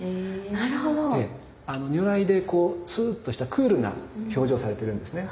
如来でこうツーっとしたクールな表情されてるんですね。